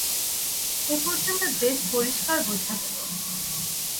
এ পর্যন্ত বেশ পরিষ্কার বুঝা গেল।